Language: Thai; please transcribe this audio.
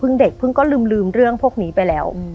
เด็กเพิ่งก็ลืมเรื่องพวกนี้ไปแล้ว